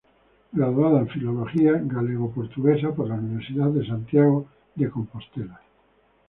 Graduada en Filología Gallego-Portuguesa por la Universidad de Santiago de Compostela.